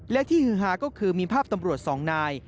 และที่ฮือฮาก็คือมีภาพตำรวจสองนาย